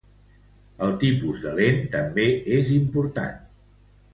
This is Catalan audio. El tipus de lent també és important.